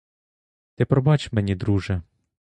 Ти пробач мені, друже!